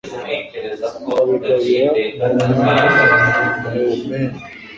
babigabira umwami ewumene